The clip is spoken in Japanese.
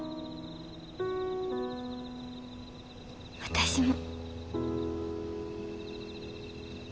私も。